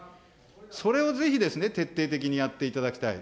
それをぜひですね、徹底的にやっていただきたい。